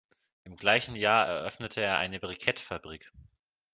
Im gleichen Jahr eröffnete er eine Brikettfabrik.